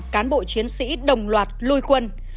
cán bộ chiến sĩ đồng loạt lui quân